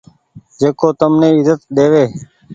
جيڪو تم ني ايزت ۮيوي